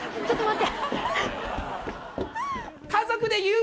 ちょっと。